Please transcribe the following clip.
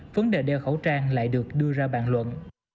vấn đề đeo khẩu trang lại được đưa ra bàn luận